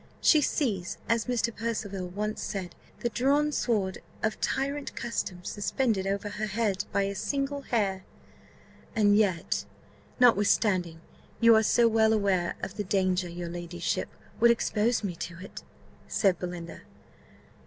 She sees, as Mr. Percival once said, 'the drawn sword of tyrant custom suspended over her head by a single hair.'" "And yet, notwithstanding you are so well aware of the danger, your ladyship would expose me to it?" said Belinda.